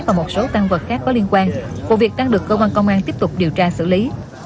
và một số tăng vật khác có liên quan vụ việc đang được cơ quan công an tiếp tục điều tra xử lý